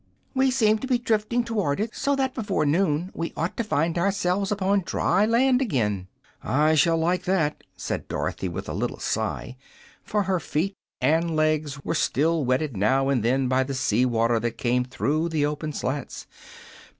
"We seem to be drifting toward it, so that before noon we ought to find ourselves upon dry land again." "I shall like that!" said Dorothy, with a little sigh, for her feet and legs were still wetted now and then by the sea water that came through the open slats.